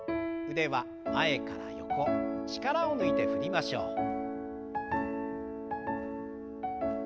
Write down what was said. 腕は前から横力を抜いて振りましょう。